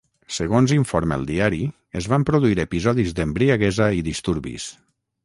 Segons informa el diari, es van produir episodis d'embriaguesa i disturbis.